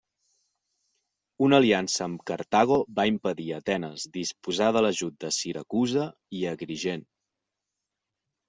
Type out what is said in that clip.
Una aliança amb Cartago va impedir a Atenes disposar de l'ajut de Siracusa i Agrigent.